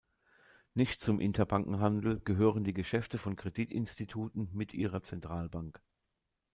Nicht zum Interbankenhandel gehören die Geschäfte von Kreditinstituten mit ihrer Zentralbank.